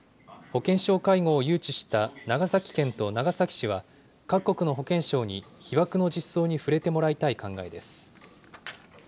保健相会合を誘致した長崎県と長崎市は、各国の保健相に被爆の実相にふれてもらいたい考えです。